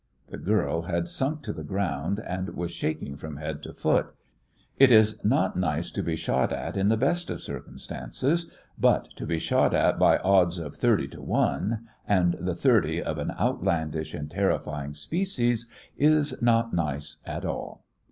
The girl had sunk to the ground, and was shaking from head to foot. It is not nice to be shot at in the best of circumstances, but to be shot at by odds of thirty to one, and the thirty of an out landish and terrifying species, is not nice at all.